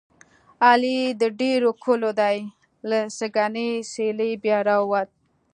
علي د ډېرو کلو دی. له سږنۍ څېلې بیا را ووت.